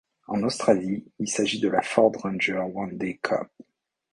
En Australie, il s'agit de la Ford Ranger One Day Cup.